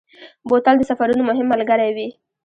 بوتل د سفرونو مهم ملګری وي.